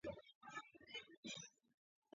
თუმცა, ისლამი რეგიონში მუდმივად იზრდება.